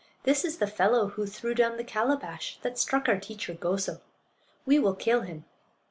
This is the fellow who threw down the calabash that struck our teacher Goso. We will kill him."